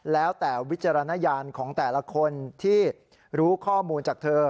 แล้วแต่วิจารณญาณของแต่ละคนที่รู้ข้อมูลจากเธอ